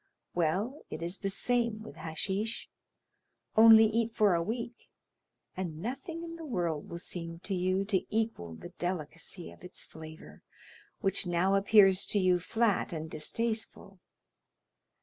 Well, it is the same with hashish; only eat for a week, and nothing in the world will seem to you to equal the delicacy of its flavor, which now appears to you flat and distasteful.